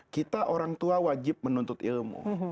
kita orang tua wajib menuntut ilmu